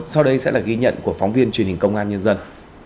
sau đây sẽ là ghi nhận của phóng viên truyền hình công an nhân dân